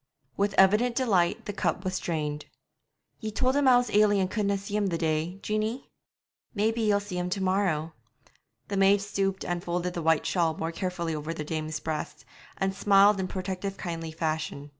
With evident delight the cup was drained. 'Ye told him I was ailing and couldna see him the day, Jeanie?' 'Maybe ye'll see him to morrow.' The maid stooped and folded the white shawl more carefully over the dame's breast, and smiled in protective kindly fashion.